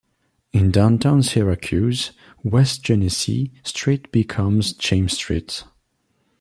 In downtown Syracuse, West Genesee Street becomes James Street.